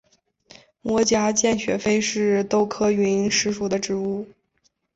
膜荚见血飞是豆科云实属的植物。